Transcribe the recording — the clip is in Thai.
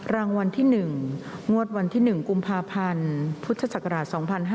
รางวัลที่๑งวดวันที่๑กุมภาพันธ์พุทธศักราช๒๕๕๙